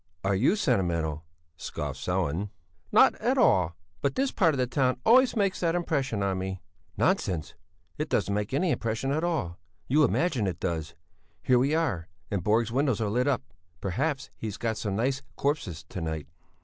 "Are you sentimental?" scoffed Sellén. "Not at all, but this part of the town always makes that impression on me." "Nonsense! It doesn't make any impression at all; you imagine it does. Here we are, and Borg's windows are lit up. Perhaps he's got some nice corpses to night."